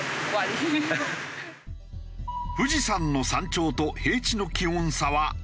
富士山の山頂と平地の気温差は２０度ほど。